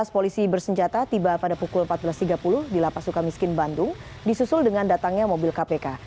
dua belas polisi bersenjata tiba pada pukul empat belas tiga puluh di lapas suka miskin bandung disusul dengan datangnya mobil kpk